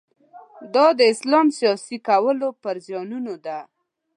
دا د اسلام سیاسي کولو پر زیانونو ده.